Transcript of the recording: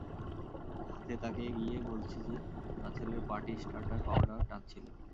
হ্যাঁ, তাকে গিয়ে বলছি যে, তার ছেলের পার্টি স্টার্টার পাউডার টানছিল।